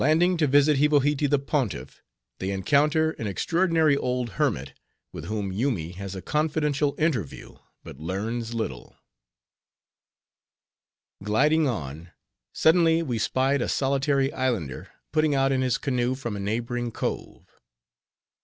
Landing To Visit Hivohitee The Pontiff, They Encounter An Extraordinary Old Hermit; With Whom Yoomy Has A Confidential Interview, But Learns Little Gliding on, suddenly we spied a solitary Islander putting out in his canoe from a neighboring cove.